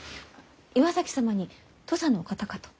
岩崎様に土佐のお方かと。